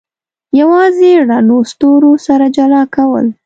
یوازې رڼو ستورو سره جلا کول.